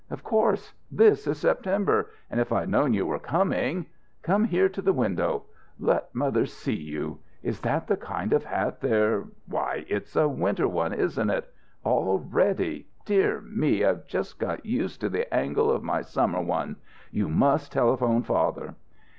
"Of course. This is September. But if I'd known you were coming Come here to the window. Let mother see you. Is that the kind of hat they're why, its a winter one, isn't it? Already! Dear me, I've just got used to the angle of my summer one. You must telephone father."